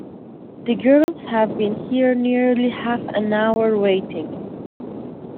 The girls have been here nearly half an hour waiting.